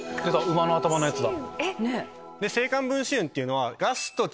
馬の頭のやつだ。